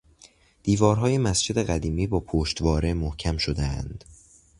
دیوارهای مسجد قدیمی با پشتواره محکم شدهاند.